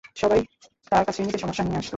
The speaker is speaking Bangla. সবাই তার কাছে নিজের সমস্যা নিয়ে আসতো।